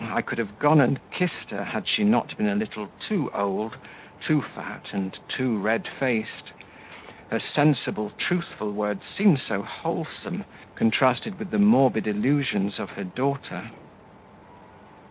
I could have gone and kissed her had she not been a little too old, too fat, and too red faced; her sensible, truthful words seemed so wholesome, contrasted with the morbid illusions of her daughter.